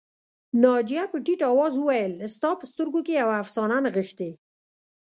ناجیه په ټيټ آواز وویل ستا په سترګو کې یوه افسانه نغښتې